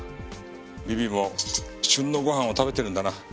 ビビも旬のご飯を食べてるんだな。